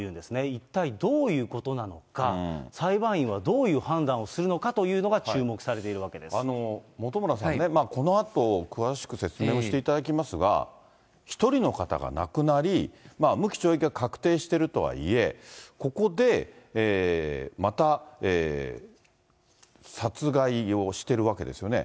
一体どういうことなのか、裁判員はどういう判断をするのかというのが注目されているわけで本村さん、このあと詳しく説明をしていただきますが、１人の方が亡くなり、無期懲役が確定しているとはいえ、ここでまた、殺害をしているわけですよね。